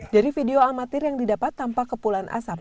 dari video amatir yang didapat tanpa kepulan asap